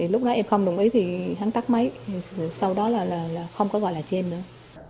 lúc đó em không đồng ý thì hắn tắt máy sau đó là không có gọi là trên nữa